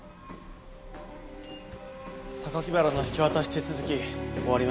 原の引き渡し手続き終わりました。